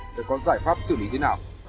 sẽ có giải pháp xử lý thế nào